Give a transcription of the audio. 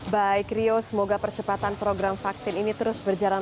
baik rio semoga percepatan program vaksin ini terus berjalan